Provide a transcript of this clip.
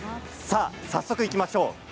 早速いきましょう。